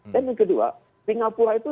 dan yang kedua singapura itu